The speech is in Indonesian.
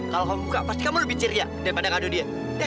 kalau kamu buka pasti kamu lebih ceria daripada ngadu dia